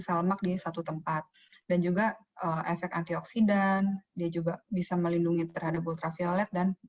sel lemak di satu tempat dan juga efek antioksidan dia juga bisa melindungi terhadap ultraviolet dan